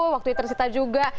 waktu yang tersita juga